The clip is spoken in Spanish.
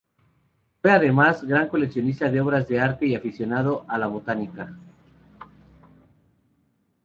Fue además gran coleccionista de obras de arte y aficionado a la botánica.